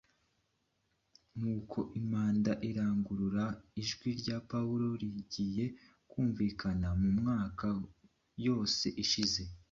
Nk’uko impanda irangurura, ijwi rya Pawulo ryagiye ryumvikana mu myaka yose yashize,